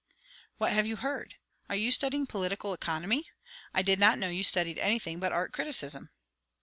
"What have you heard? Are you studying political economy? I did not know you studied anything but art criticism."